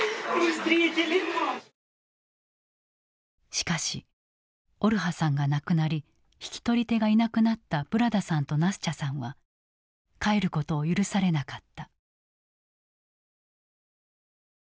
しかしオルハさんが亡くなり引き取り手がいなくなったブラダさんとナスチャさんは帰ることを許されなかった。